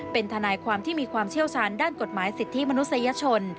เป็นทนายความที่มีความเชี่ยวชาญด้านกฎหมายสิทธิมนุษยชน